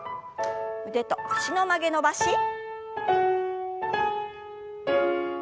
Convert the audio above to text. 腕と脚の曲げ伸ばし。